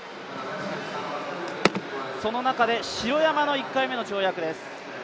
その中で城山の１回目の跳躍です。